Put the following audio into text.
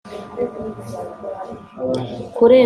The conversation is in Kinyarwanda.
kurenga kurenga hamwe